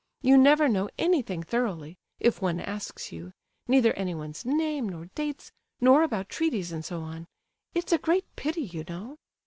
You never know anything thoroughly, if one asks you; neither anyone's name, nor dates, nor about treaties and so on. It's a great pity, you know!"